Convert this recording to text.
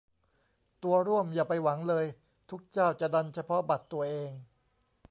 ตั๋วร่วมอย่าไปหวังเลย ทุกเจ้าจะดันเฉพาะบัตรตัวเอง